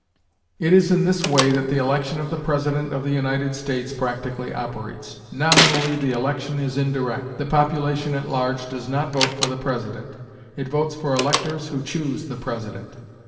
It is in this way that the election of the President of the United States practically operates. Nominally, the election is indirect; the population at large does not vote for the President; it votes for electors who choose the President.